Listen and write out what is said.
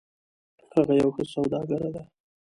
هغه یو ښه سوداګر ده